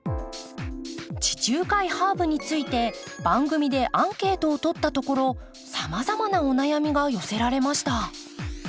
地中海ハーブについて番組でアンケートを取ったところさまざまなお悩みが寄せられました。